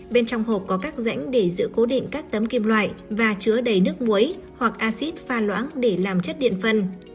bên trong hộp có các rãnh để giữ cố định các tấm kim loại và chứa đầy nước muối hoặc acid pha loãng để làm chất điện phân